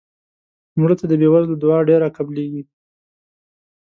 مړه ته د بې وزلو دعا ډېره قبلیږي